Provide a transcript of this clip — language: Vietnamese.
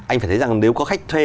anh phải thấy rằng nếu có khách thuê